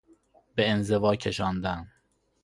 به انزوا کشاندن